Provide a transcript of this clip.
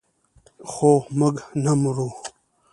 خو موږ نه مرو.